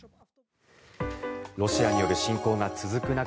ロシアによる侵攻が続く中